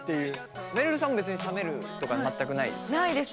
めるるさんも別に冷めるとか全くないですか？